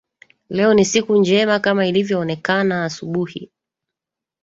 Leo ni siku njema kama ilivyo onekana asubuhi